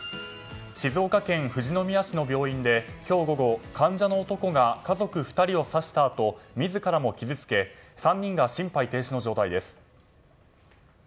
静岡県富士宮市の病院で今日午後患者の男が家族２人を刺したあと自らも傷つけ３人が心肺停止の状態です。